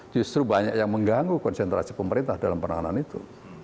justru banyak yang mengganggu konsentrasi pemerintah dalam penanganan itu